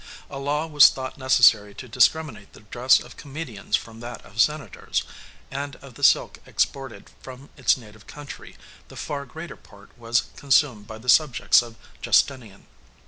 A law was thought necessary to discriminate the dress of comedians from that of senators; and of the silk exported from its native country the far greater part was consumed by the subjects of Justinian.